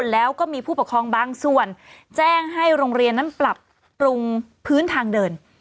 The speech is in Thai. แล้วก็มีผู้ปกครองบางส่วนแจ้งให้โรงเรียนนั้นปรับปรุงพื้นทางเดิน